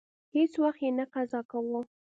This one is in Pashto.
هیڅ وخت یې نه قضا کاوه.